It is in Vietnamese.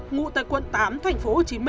ngụ tại quận tám tp hcm